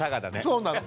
そうなの。